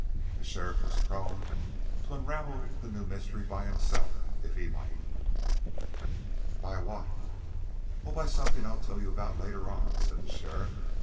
The sheriff was prone to unravel the new mystery by himself, if he might. "By what?" "Oh, by something I'll tell you about later on," said the sheriff.